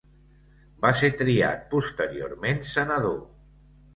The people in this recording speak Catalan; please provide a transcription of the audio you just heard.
Va ser triat posteriorment senador.